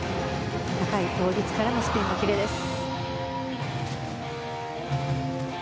高い倒立からのスピンもきれいです。